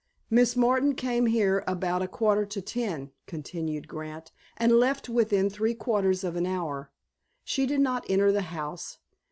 "Miss Martin came here about a quarter to ten," continued Grant, "and left within three quarters of an hour. She did not enter the house.